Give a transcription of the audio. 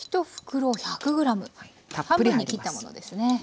１袋１００ｇ半分に切ったものですね。